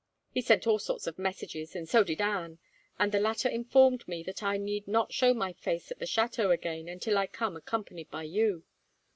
He sent all sorts of messages, and so did Anne, and the latter informed me that I need not show my face at the chateau again, until I came accompanied by you.